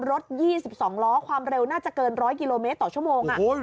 รถ๒๒ล้อความเร็วน่าจะเกิน๑๐๐กิโลเมตรต่อชั่วโมง